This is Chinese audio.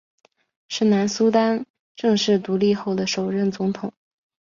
是南苏丹正式独立后的首任总统。